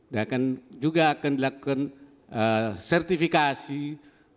dan juga akan dilakukan sertifikasi serta